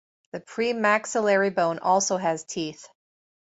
The premaxillary bone also has teeth.